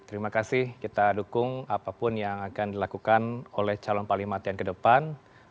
terima kasih kita dukung apapun yang akan dilakukan oleh calon panglima tni ke depan